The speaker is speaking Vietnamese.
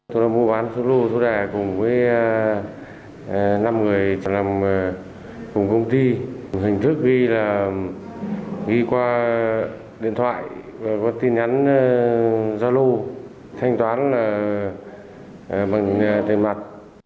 tôi đang mua bán số lô số đề cùng với năm người làm cùng công ty hình thức ghi là ghi qua điện thoại và có tin nhắn gia lô thanh toán là bằng tên mặt